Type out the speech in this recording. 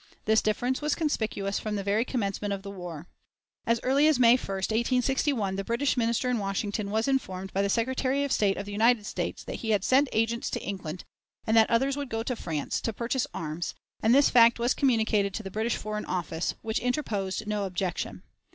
This difference was conspicuous from the very commencement of the war. As early as May 1, 1861, the British Minister in Washington was informed by the Secretary of State of the United States that he had sent agents to England, and that others would go to France, to purchase arms; and this fact was communicated to the British Foreign Office, which interposed no objection.